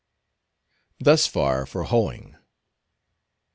Thus far for hoeing.